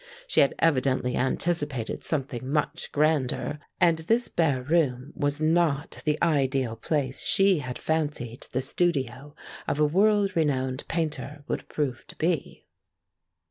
She had evidently anticipated something much grander, and this bare room was not the ideal place she had fancied the studio of a world renowned painter would prove to be.